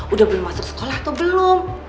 udah belum masuk sekolah atau belum